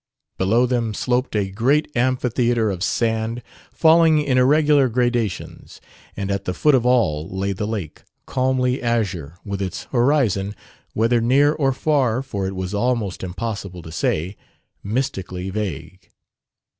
Below them sloped a great amphitheatre of sand, falling in irregular gradations; and at the foot of all lay the lake, calmly azure, with its horizon, whether near or far for it was almost impossible to say mystically vague.